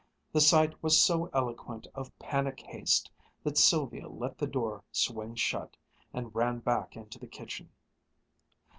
The sight was so eloquent of panic haste that Sylvia let the door swing shut, and ran back into the kitchen.